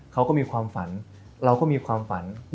เขาก็มีความฝันเราก็มีความฝัน